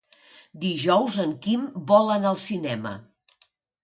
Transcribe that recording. Dijous en Quim vol anar al cinema.